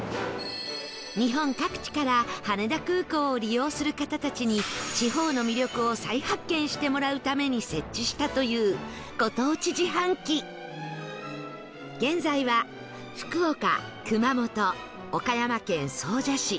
日本各地から羽田空港を利用する方たちに地方の魅力を再発見してもらうために設置したというご当地自販機現在は福岡熊本岡山県総社市